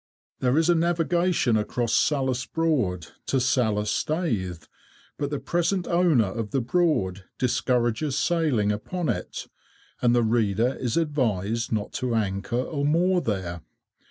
There is a navigation across Salhouse Broad to Salhouse Staithe, but the present owner of the Broad discourages sailing upon it, and the reader is advised not to anchor or moor there.